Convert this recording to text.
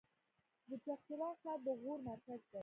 د چغچران ښار د غور مرکز دی